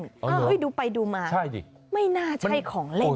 อ๋อเหรอใช่สิดูไปดูมาไม่น่าใช่ของเล่น